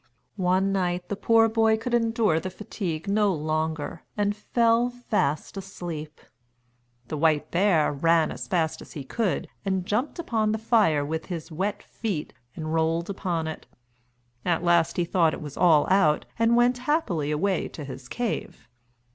One night the poor boy could endure the fatigue no longer and fell fast asleep. The white bear ran as fast as he could and jumped upon the fire with his wet feet, and rolled upon it. At last he thought it was all out and went happily away to his cave.